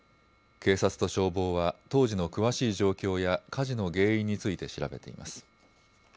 警察と消防は当時の詳しい状況や火事の原因について調べています。